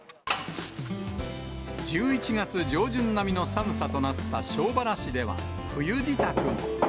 １１月上旬並みの寒さとなった庄原市では、冬支度も。